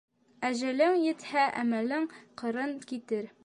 Әжәлең етһә, әмәлең ҡырын китер.